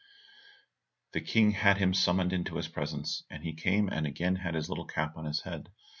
The King had him summoned into his presence, and he came and again had his little cap on his head.